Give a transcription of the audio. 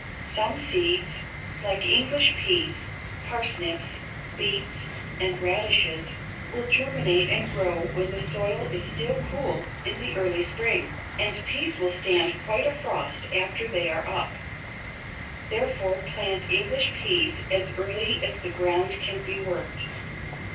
Some seeds, like English peas, parsnips, beets, and radishes, will germinate and grow when the soil is still cool in the early spring, and peas will stand quite a frost after they are up. Therefore we plant English peas as early as the ground can be worked.